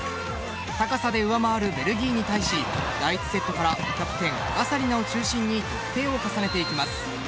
高さで上回るベルギーに対し第１セットからキャプテン・古賀紗理那を中心に得点を重ねていきます。